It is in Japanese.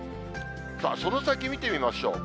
その先見てみましょう。